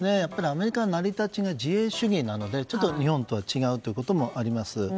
アメリカは成り立ちが自由主義なので、日本とは違うということもあります。